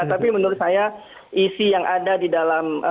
tapi menurut saya isi yang ada di dalam